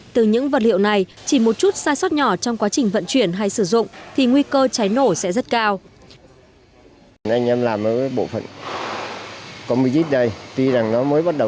từ những vật liệu này chỉ một chút sai sót nhỏ trong quá trình vận chuyển hay sử dụng thì nguy cơ cháy nổ sẽ rất cao